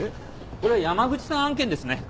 これは山口さん案件ですね。